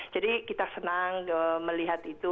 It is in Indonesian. jadi kita senang melihat itu